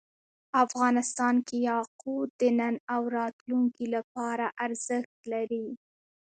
افغانستان کې یاقوت د نن او راتلونکي لپاره ارزښت لري.